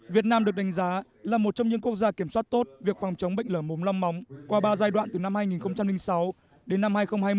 việt nam được đánh giá là một trong những quốc gia kiểm soát tốt việc phòng chống bệnh lở mồm long móng qua ba giai đoạn từ năm hai nghìn sáu đến năm hai nghìn hai mươi